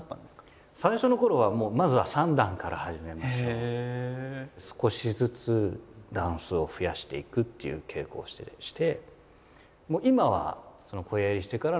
最初のころは少しずつ段数を増やしていくっていう稽古をして。